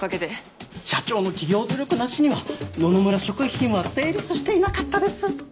「社長の企業努力なしには野々村食品は成立していなかったです」